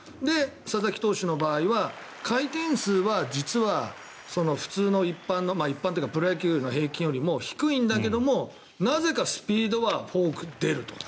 佐々木投手の場合は回転数は実は普通の一般の一般というかプロ野球の平均より低いんだけれどもなぜかスピードはフォーク、出ると。